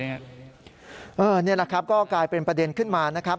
นี่แหละครับก็กลายเป็นประเด็นขึ้นมานะครับ